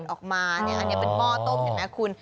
ออกมาอันนี้เป็นหม้อต้มเห็นไหมคุณ